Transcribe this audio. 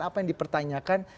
apa yang dipertanyakan